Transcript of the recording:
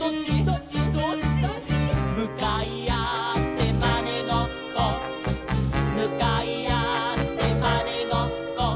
「むかいあってまねごっこ」「むかいあってまねごっこ」